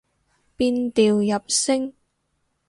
變調入聲